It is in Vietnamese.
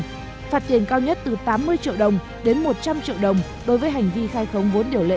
phạt tiền cao nhất từ tám mươi triệu đồng đến một trăm linh triệu đồng đối với hành vi khai khống vốn điều lệ